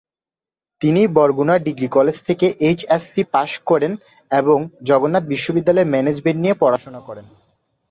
তিনি Barguna degree college থেকে HSC pass করেন এবং জগন্নাথ বিশ্ববিদ্যালয়ে ম্যানেজমেন্ট নিয়ে পড়াশোনা করেন।